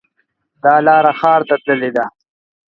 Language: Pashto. دا لاره ښار ته تللې ده